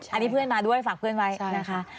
อันนี้เพื่อนมาด้วยฝากเพื่อนไว้นะคะ